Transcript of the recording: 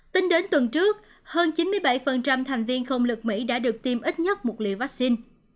tính đến tuần trước hơn chín mươi bảy thành viên không lực mỹ đã được tiêm ít nhất một liều vaccine